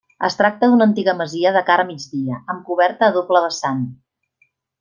Es tracta d'una antiga masia de cara a migdia, amb coberta a doble vessant.